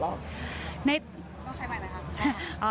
ต้องใช้ใหม่นะครับ